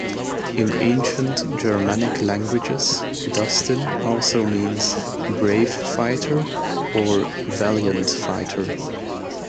In ancient Germanic languages, 'Dustin" also means "brave fighter" or "valiant fighter".